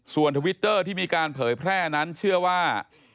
ส่วนทวิตเตอร์ที่มีการเผยแพร่นั้นเชื่อว่า